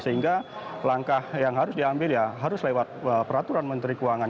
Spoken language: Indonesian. sehingga langkah yang harus diambil ya harus lewat peraturan menteri keuangan